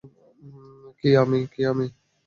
কী, আমি?